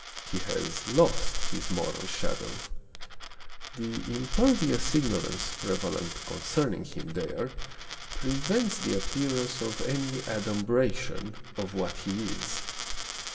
He has lost his moral shadow. The impervious igno rance prevalent concerning him there prevents the ap pearance of any adumbration of what he is.